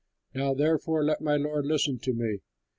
Now therefore let my lord listen to me.